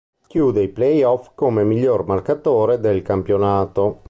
Chiude i playoff come miglior marcatore del campionato.